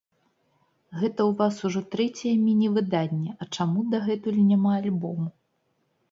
Гэта ў вас ужо трэцяе міні-выданне, а чаму дагэтуль няма альбому?